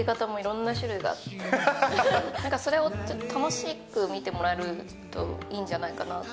なんかそれを楽しく見てもらえるといいんじゃないかなって。